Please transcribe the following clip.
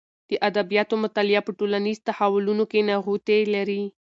د ادبیاتو مطالعه په ټولنیز تحولونو کې نغوتې لري.